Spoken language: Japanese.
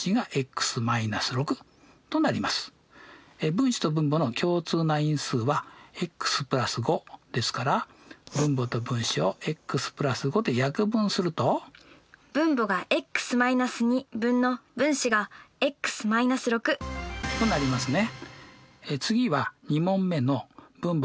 分子と分母の共通な因数はｘ＋５ですから分母と分子をｘ＋５で約分すると？となりますね。